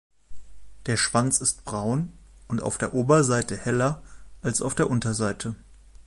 Der Schwanz ist braun und auf der Oberseite heller als auf der Unterseite.